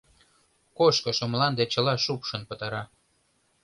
Кошкышо мланде чыла шупшын пытара.